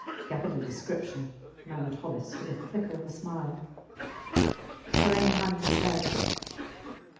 Capital description, murmured Hollis, with the flicker of a smile. Karain hung his head.